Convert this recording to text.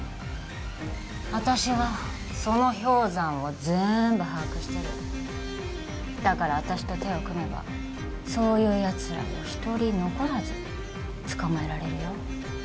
私はその氷山を全部把握してるだから私と手を組めばそういうやつらを一人残らず捕まえられるよ